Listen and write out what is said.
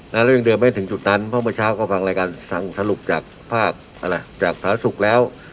และเรายังเดินไปถึงจุดนั้นเพราะเมื่อเช้าก็ฟังรายการสังสรุปจากฝากอย่างสถานศุกร์แล้ว